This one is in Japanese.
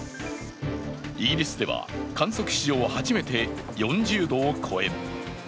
イギリスでは観測史上初めて４０度を超える。